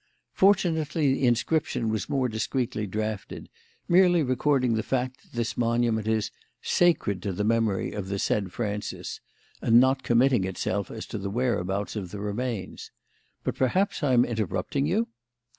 Fortunately the inscription was more discreetly drafted, merely recording the fact that this monument is 'sacred to the memory of the said Francis,' and not committing itself as to the whereabouts of the remains. But perhaps I am interrupting you?"